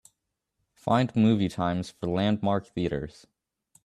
Find movie times for Landmark Theatres.